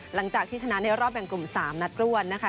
หลังจากที่ชนะในรอบแบ่งกลุ่ม๓นัดรวดนะคะ